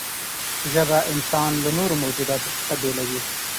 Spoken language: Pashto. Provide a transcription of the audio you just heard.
ژبه انسان له نورو موجوداتو څخه بېلوي.